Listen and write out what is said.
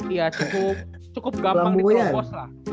iya cukup gampang di tropos lah